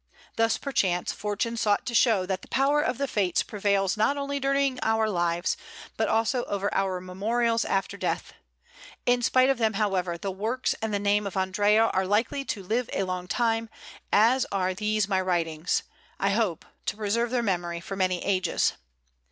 Thus, perchance, Fortune sought to show that the power of the Fates prevails not only during our lives, but also over our memorials after death. In spite of them, however, the works and the name of Andrea are likely to live a long time, as are these my writings, I hope, to preserve their memory for many ages.